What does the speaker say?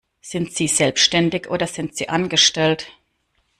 Sind sie selbstständig oder sind sie Angestellt?